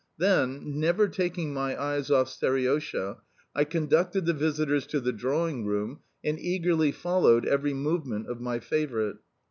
Then, never taking my eyes off Seriosha, I conducted the visitors to the drawing room, and eagerly followed every movement of my favourite.